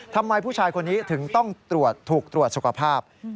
ทำไมผู้ชายคนนี้ถึงต้องตรวจถูกตรวจสุขภาพ